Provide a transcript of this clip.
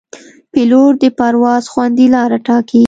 پیلوټ د پرواز خوندي لاره ټاکي.